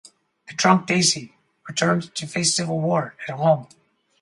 The Druk Desi, returned to face civil war at home.